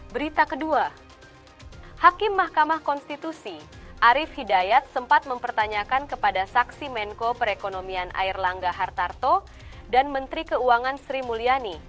berita kedua hakim mahkamah konstitusi arief hidayat sempat mempertanyakan kepada saksi menko perekonomian air langga hartarto dan menteri keuangan sri mulyani